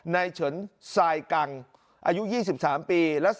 ๒ไนเฉินไซกังอายุ๒๓ปี